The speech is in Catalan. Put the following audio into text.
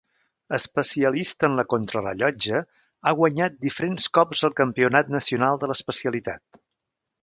Especialista en la contrarellotge, ha guanyat diferents cops el campionat nacional de l'especialitat.